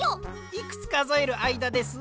いくつかぞえるあいだです？